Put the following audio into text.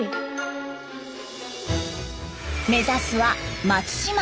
目指すは松島。